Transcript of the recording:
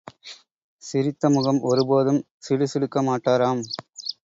சிரித்தமுகம் ஒருபோதும் சிடுசிடுக்க மாட்டாராம்.